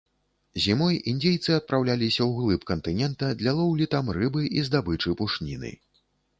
Зімой індзейцы адпраўляліся ўглыб кантынента для лоўлі там рыбы і здабычы пушніны.